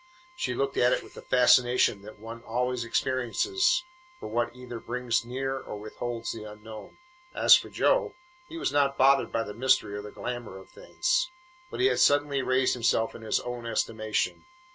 She looked at it with the fascination that one always experiences for what either brings near or withholds the unknown. As for Joe, he was not bothered by the mystery or the glamour of things. But he had suddenly raised himself in his own estimation.